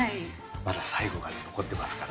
まだ最後が残ってますから。